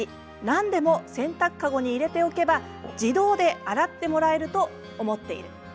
何でも洗濯籠に入れておけば自動で洗ってもらえると思っている。